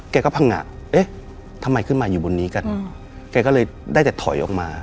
แกก็พังงะเอ๊ะทำไมขึ้นมาอยู่บนนี้กันแกก็เลยได้แต่ถอยออกมา